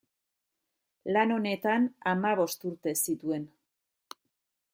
Lan honetan hamabost urte zituen.